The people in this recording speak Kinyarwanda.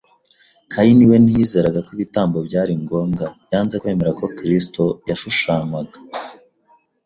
Kayini we ntiyizeraga ko ibitambo byari ngombwa; yanze kwemera ko Kristo yashushanywaga